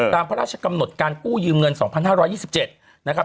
ตามพระราชกำหนดการกู้ยืมเงิน๒๕๒๗นะครับ